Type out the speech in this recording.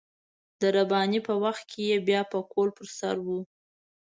د رباني په وخت کې يې بيا پکول پر سر و.